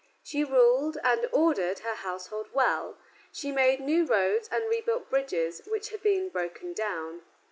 She ruled and ordered her household well; she made new roads and rebuilt bridges which had been broken down.